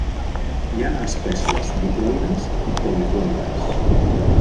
Hi ha espècies diploides i poliploides.